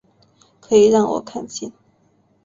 可以让我看见